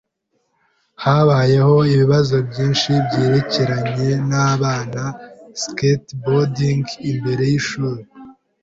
Habayeho ibibazo byinshi byerekeranye nabana skateboarding imbere yishuri.